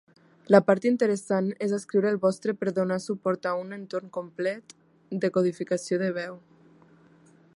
La part interessant és escriure el vostre per donar suport a un entorn complet de codificació de veu.